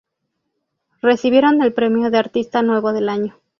Recibieron el premio de artista nuevo del año.